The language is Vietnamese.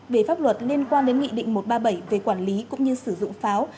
về pháp luật liên quan đến nghị định một trăm ba mươi bảy về quản lý cũng như sử dụng pháo